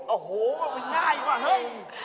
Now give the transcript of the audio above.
โอ้โหก็ไม่ใช่ว่ะเนิ่